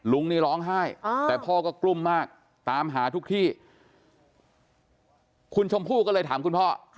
ลุงนี่ร้องไห้แต่พ่อก็กลุ้มมากตามหาทุกที่คุณชมพู่ก็เลยถามคุณพ่อ